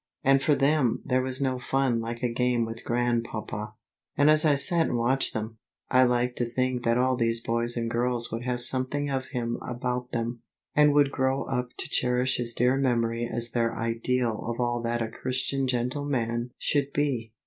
And for them there was no fun like a game with grandpapa. And as I sat and watched them, I liked to think that all these boys and girls would have something of him about them, and would grow up to cherish his dear memory as their ideal of all that a Christian gentleman should be.